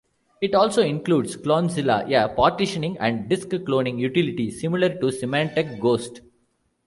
It also includes Clonezilla, a partitioning and disk cloning utility similar to Symantec Ghost.